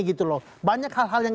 gitu loh banyak hal hal yang